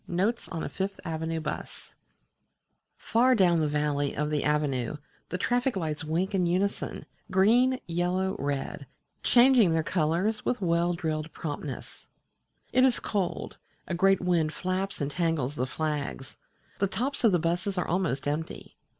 NOTES ON A FIFTH AVENUE BUS Far down the valley of the Avenue the traffic lights wink in unison, green, yellow, red, changing their colours with well drilled promptness. It is cold: a great wind flaps and tangles the flags; the tops of the buses are almost empty.